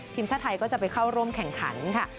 ทีมชาติไทยก็จะไปเข้าร่วมแข่งขันค่ะ